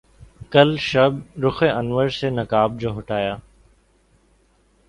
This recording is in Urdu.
کل شب رخ انور سے نقاب جو ہٹایا